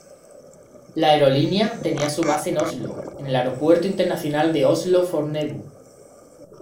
La aerolínea tenía su base en Oslo, en el Aeropuerto Internacional de Oslo-Fornebu.